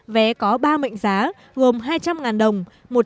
vé có ba mệnh giá gồm hai trăm linh đồng